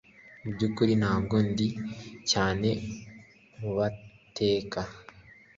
Mubyukuri ntabwo ndi cyane mubateka